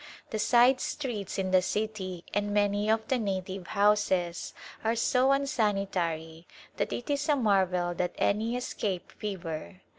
The side streets in the city and many of the native houses are so unsanitary that it is a marvel that any escape fever.